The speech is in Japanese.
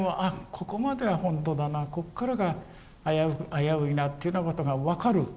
ここまでは本当だなここからが危ういなっていうようなことが分かる。